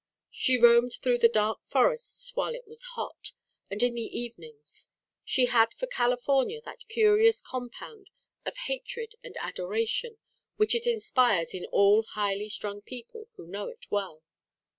She roamed through the dark forests while it was hot, and in the evenings. She had for California that curious compound of hatred and adoration which it inspires in all highly strung people who know it well.